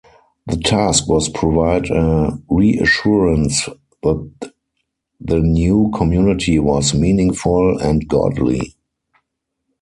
The task was provide a reassurance that the new community was meaningful and godly.